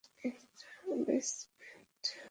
একটা বেসমেন্ট পেয়েছি।